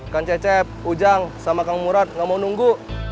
kan cecep ujang sama kang murad gak mau nunggu